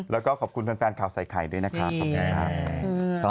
แล้วก็ขอบคุณแฟนข่าวใส่ไข่ด้วยนะครับขอบคุณครับ